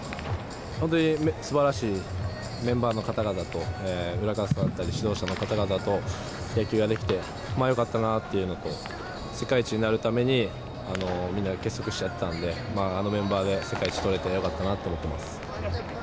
本当にすばらしいメンバーの方々と、裏方さんだったり指導者の方々と野球ができてよかったなっていうのと、世界一になるために、みんなが結束してやったんで、あのメンバーで世界一とれてよかったなと思ってます。